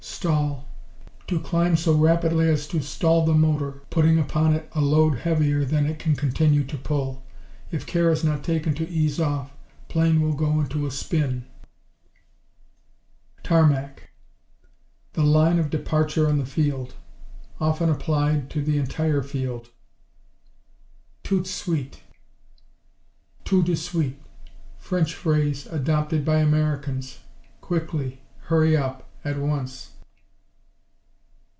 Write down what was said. Stall To climb so rapidly as to stall the motor, putting upon it a load heavier than it can continue to pull. If care is not taken to ease off, plane will go into a spin. Tarmac The line of departure on the field. Often applied to the entire field. Toot sweet Tout de suite French phrase, adopted by Americans. Quickly, hurry up, at once.